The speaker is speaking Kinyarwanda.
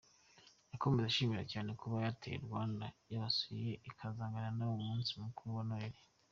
Yakomeje ashimira cyane kuba Airtel Rwanda yabasuye igasangira nabo umunsi mukuru wa Noheli.